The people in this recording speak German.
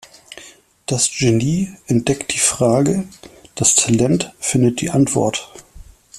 Das Genie entdeckt die Frage, das Talent findet die Antwort.